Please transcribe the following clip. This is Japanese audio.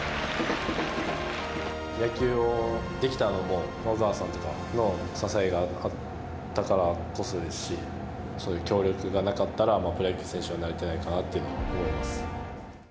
野球をできたのも、お母さんとかの支えがあったからこそですし、そういう協力がなかったら、プロ野球選手になれてないかなと思います。